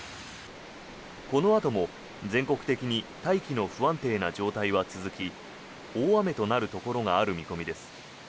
このあとも全国的に大気の不安定な状態は続き大雨となるところがある見込みです。